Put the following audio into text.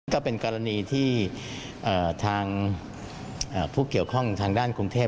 ก็เป็นกรณีที่ทางผู้เกี่ยวข้องทางด้านกรุงเทพ